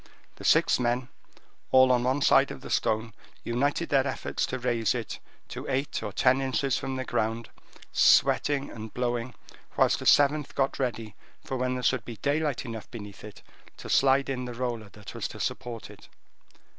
The six men, all on one side of the stone, united their efforts to raise it to eight or ten inches from the ground, sweating and blowing, whilst a seventh got ready for when there should be daylight enough beneath it to slide in the roller that was to support it.